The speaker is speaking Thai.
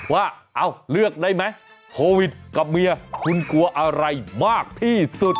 ว่าเอาเลือกได้ไหมโควิดกับเมียคุณกลัวอะไรมากที่สุด